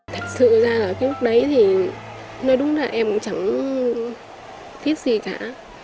thật sự ra là cái lúc đấy thì nói đúng là em cũng chẳng thiết gì cả